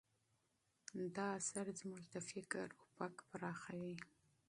دا اثر زموږ د فکر افق پراخوي.